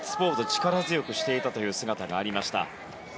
力強くしていたという姿がありました。